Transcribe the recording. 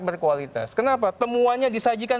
berkualitas kenapa temuannya disajikan